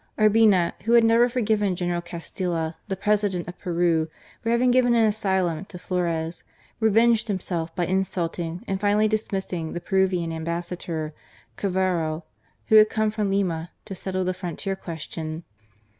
Urbina, who had never forgiven General Castilla, the President of Peru, for having given an asylum to Flores, revenged himself by insulting and finally dismissing the Peruvian Ambassador, Cavero, who had come from Lima to settle the frontier question.